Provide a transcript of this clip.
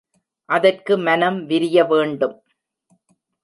அதற்கு மனம் விரிய வேண்டும்.